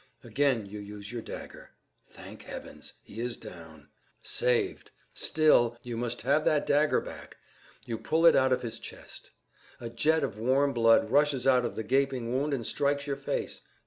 Again you use your dagger. Thank heavens! He is down. Saved!—Still, you must have that dagger back! You pull it out of his chest. A jet of warm blood rushes out of the gaping wound and strikes your face.